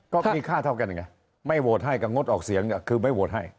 ก็มีค่าเท่ากันไงไม่โหวตให้กับงดออกเสียงเนี่ยคือไม่โหวตให้